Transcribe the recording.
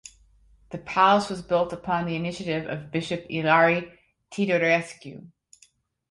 The palace was built upon the initiative of Bishop Ilarie Teodorescu.